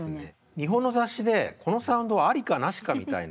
日本の雑誌でこのサウンドはありかなしかみたいな。